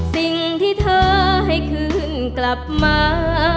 สิ่งที่เธอให้คืนกลับมา